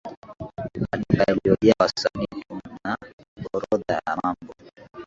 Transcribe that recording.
maduka yaliyojaa wasanii Tuna orodha ya mambo